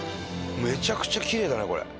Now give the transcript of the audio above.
めちゃくちゃキレイだねこれ。